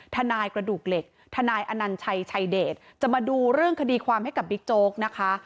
ทนายกระดูกเหล็กทนายอนัญชัยชายเดชจะมาดูเรื่องคดีความให้กับบิ๊กโจ๊กนะคะ